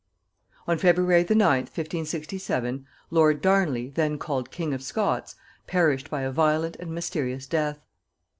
On February the 9th 1567, lord Darnley, then called king of Scots, perished by a violent and mysterious death.